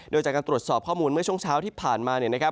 โดยจากการตรวจสอบข้อมูลเมื่อช่วงเช้าที่ผ่านมา